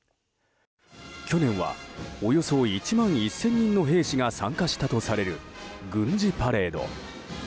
去年はおよそ１万１０００人の兵士が参加したとされる軍事パレード。